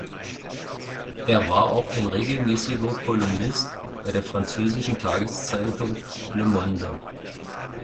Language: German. Er war auch ein regelmäßiger Kolumnist bei der französischen Tageszeitung Le Monde.